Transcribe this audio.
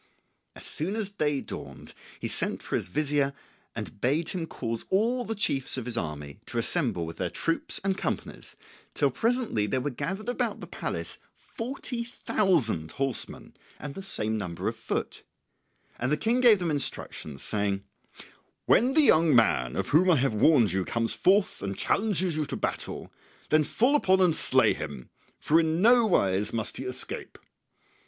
As soon as day dawned he sent for his Vizier and bade him cause all the chiefs of his army to assemble with their troops and companies, till presently there were gathered about the palace forty thousand horsemen and the same number of foot; and the King gave them instructions, saying, "When the young man of whom I have warned you comes forth and challenges you to battle, then fall upon and slay him, for in no wise must he escape."